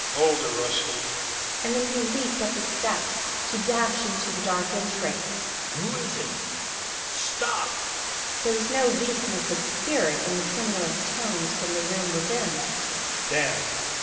"Hold her, Rusty!" And then he leaped up the steps, to dash into the dark entry. "Who is it? Stop!" There was no weakness of spirit in the tremulous tones from the room within. "Dad!